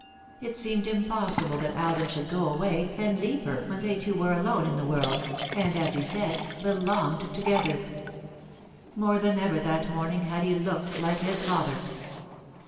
It seemed impossible that Alden should go away and leave her when they two were alone in the world, and, as he said, belonged together. More than ever that morning had he looked like his father.